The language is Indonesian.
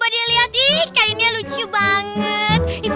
aku akan menganggap